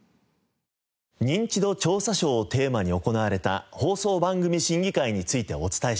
『ニンチド調査ショー』をテーマに行われた放送番組審議会についてお伝えしました。